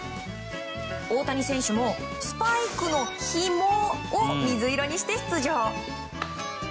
大谷選手もスパイクのひもを水色にして出場。